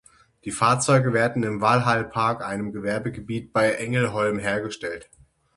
Die Fahrzeuge werden im Valhall-Park, einem Gewerbegebiet bei Ängelholm, hergestellt.